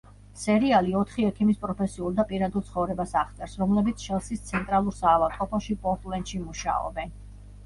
სერიალი ოთხი ექიმის პროფესიულ და პირადულ ცხოვრებას აღწერს, რომლებიც ჩელსის ცენტრალურ საავადმყოფოში პორტლენდში მუშაობენ.